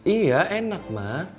iya enak mah